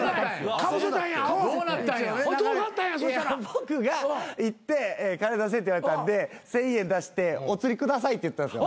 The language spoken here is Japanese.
僕が行って金出せって言われたんで１，０００円出してお釣り下さいって言ったんすよ。